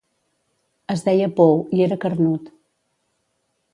Es deia Pou, i era carnut.